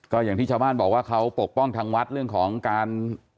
ก็อย่างที่ชาวบ้านบอกว่าเขาปกป้องทางวัดเรื่องของการ